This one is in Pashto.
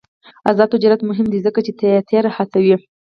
آزاد تجارت مهم دی ځکه چې تیاتر هڅوي.